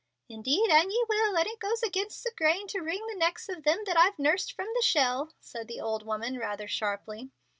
"Indeed, an' ye will, and it goes agin the grain to wring the necks of them that I've nursed from the shell," said the old woman, rather sharply.